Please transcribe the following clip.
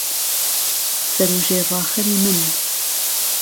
سەر و ژێر راخەری من